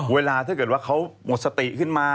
ถ้าเกิดว่าเขาหมดสติขึ้นมา